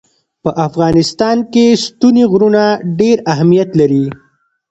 په افغانستان کې ستوني غرونه ډېر اهمیت لري.